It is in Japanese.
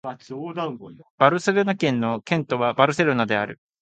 バルセロナ県の県都はバルセロナである